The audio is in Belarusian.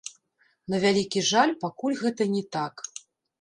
На вялікі жаль, пакуль гэта не так.